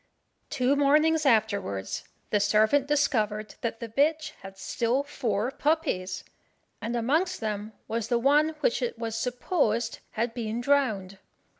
Two mornings afterwards, the servant discovered that the bitch had still four puppies, and amongst them was the one which it was supposed had been drowned.